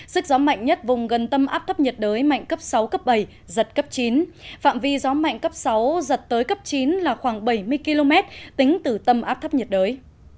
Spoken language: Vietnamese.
sức gió mạnh nhất vùng gần tâm áp thấp nhiệt đới mạnh cấp sáu cấp bảy giật cấp chín phạm vi gió mạnh cấp sáu giật tới cấp chín là khoảng bảy mươi km tính từ tâm áp thấp nhiệt đới